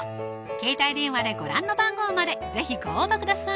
携帯電話でご覧の番号まで是非ご応募ください